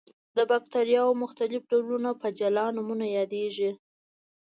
د باکتریاوو مختلف ډولونه په جلا نومونو یادیږي.